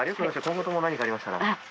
今後とも何かありましたら。